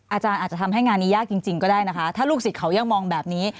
อาจารย์อาจจะทำให้งานนี้ยากจริงก็ได้นะคะถ้าลูกศิษย์เขายังมองแบบนี้